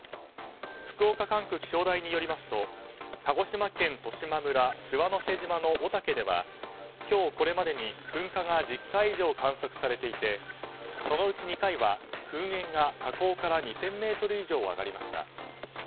福岡管区気象台によりますと鹿児島県十島村諏訪之瀬島の御岳では今日これまでに噴火が１０回以上観測されていてそのうち２回は噴煙が火口から２０００ｍ以上上がりました。